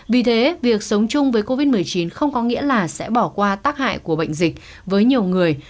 vì thế việc sống chung với covid một mươi chín không có nghĩa là sẽ bỏ qua tác hại của bệnh dịch với nhiều người